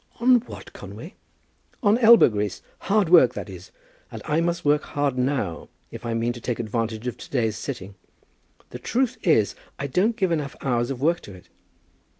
"On what, Conway?" "On elbow grease, hard work, that is, and I must work hard now if I mean to take advantage of to day's sitting. The truth is, I don't give enough hours of work to it."